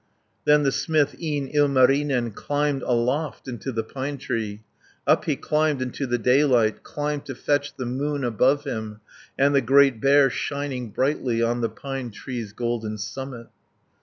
Then the smith, e'en Ilmarinen, Climbed aloft into the pine tree, Up he climbed into the daylight, Climbed to fetch the moon above him, And the Great Bear, shining brightly, On the pine tree's golden summit.